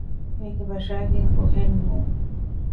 އޭގެ ވަށައިގެން ގޮހެއް ނޫން